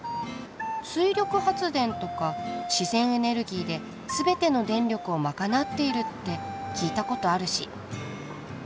水力発電とか自然エネルギーで全ての電力を賄っているって聞いたことあるし。